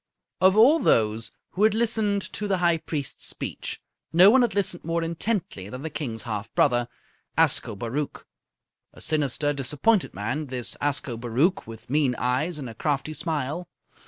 Of all those who had listened to the High Priest's speech, none had listened more intently than the King's half brother, Ascobaruch. A sinister, disappointed man, this Ascobaruch, with mean eyes and a crafty smile.